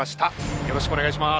よろしくお願いします。